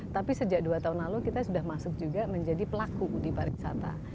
tapi sejak dua tahun lalu kita sudah masuk juga menjadi pelaku di pariwisata